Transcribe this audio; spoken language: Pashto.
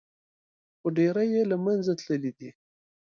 خو ډېر یې له منځه تللي دي.